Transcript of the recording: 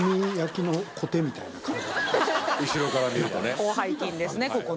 広背筋ですね